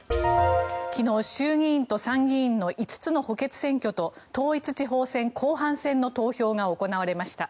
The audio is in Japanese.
昨日、衆議院と参議院の５つの補欠選挙と統一地方選後半戦の投票が行われました。